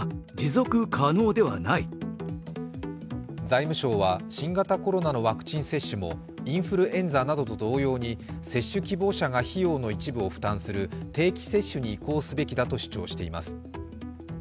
財務省は新型コロナのワクチン接種もインフルエンザなどと同様に接種希望者が費用の一部を負担する定期接種に移行すべきだと主張しています。